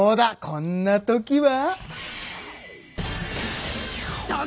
こんな時は！